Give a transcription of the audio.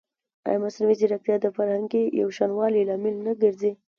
ایا مصنوعي ځیرکتیا د فرهنګي یوشان والي لامل نه ګرځي؟